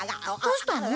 どうしたの？